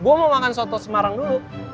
gue mau makan soto semarang dulu